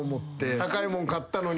高いもん買ったのに。